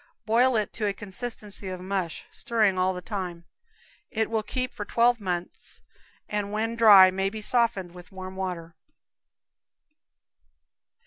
Boil it to a consistency of mush, stirring all the time. It will keep for twelve months, and when dry may be softened with warm water.